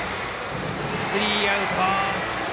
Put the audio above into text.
スリーアウト。